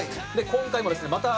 今回もですねまた。